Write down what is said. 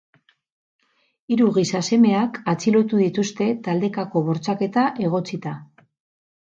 Hiru gizasemeak atxilotu dituzte, taldekako bortxaketa egotzita.